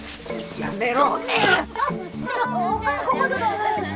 やめろ！